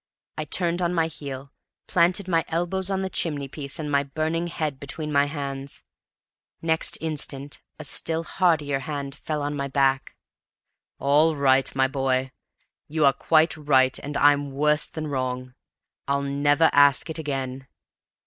I turned on my heel, planted my elbows on the chimney piece, and my burning head between my hands. Next instant a still heartier hand had fallen on my back. "All right, my boy! You are quite right and I'm worse than wrong. I'll never ask it again.